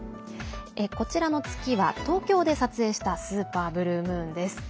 こちらの月は東京で撮影したスーパーブルームーンです。